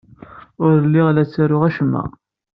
Ur lliɣ la ttaruɣ acemma.